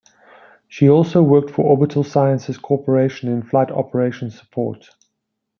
She also worked for Orbital Sciences Corporation in flight operations support.